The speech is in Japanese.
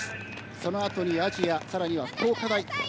そのあとに亜細亜さらには福岡大。